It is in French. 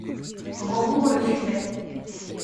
Rambourg le suivait.